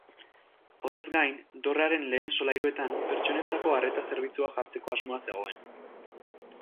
Horrez gain, dorrearen lehen solairuetan, pertsonentzako arreta-zerbitzua jartzeko asmoa zegoen.